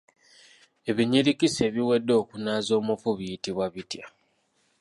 Ebinyirikisi ebiwedde okunaaza omufu biyitibwa bitya?